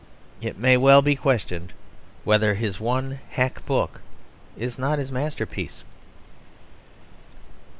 It may well be questioned whether his one hack book is not his masterpiece.